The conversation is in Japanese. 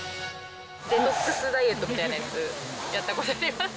デトックスダイエットみたいなやつ、やったことあります。